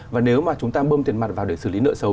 và nếu mà chúng ta bơm tiền mặt vào để xử lý nợ xấu